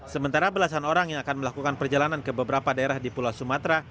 sementara belasan orang yang akan melakukan perjalanan ke beberapa daerah di pulau sumatera